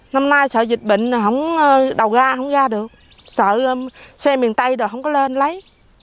năm nay sợ dịch bệnh đầu ga không ra được sợ xe miền tây không có lên lấy